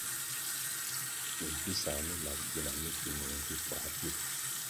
Mimpisah mi lap gina mi ki nung vi puā pil.